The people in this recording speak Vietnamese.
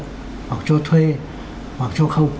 hoặc cho thuê hoặc cho không